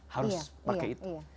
harus pakai itu